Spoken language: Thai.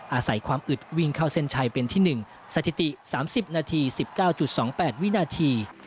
อาศัยความอึดวิ่งเข้าเส้นชัยเป็นที่๑สถิติ๓๐นาที๑๙๒๘วินาที